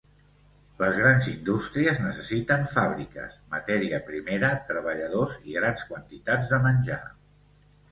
Les grans indústries necessiten fàbriques, matèria primera, treballadors i grans quantitats de menjar.